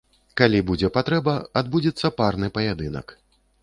Калі будзе патрэба, адбудзецца парны паядынак.